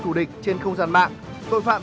thù địch trên không gian mạng tội phạm